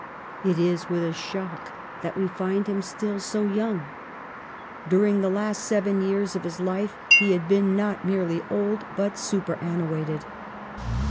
It is with a shock that we find him still so young. During the last seven years of his life he had been not merely old, but super annuated.